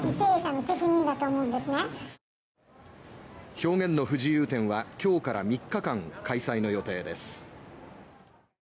表現の不自由展は今日から３日間開催の予定です。